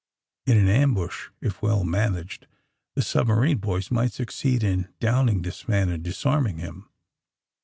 In an ambush, if well managed, the subma rine boys might succeed in downing this man and disarming him.